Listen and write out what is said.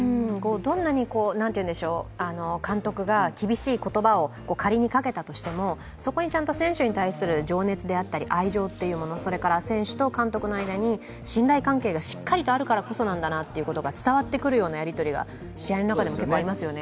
どんなに監督が厳しい言葉を仮にかけたとしても、そこにちゃんと選手に対する情熱だったり愛情だったりそれから選手と監督の間に信頼関係がしっかりとあるからこそなんだなということが伝わってくるようなやりとりが試合の中でもありましたよね。